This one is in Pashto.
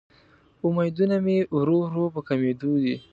امیدونه مې ورو ورو په کمیدو دې